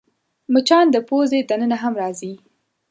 مچان د پوزې دننه هم راځي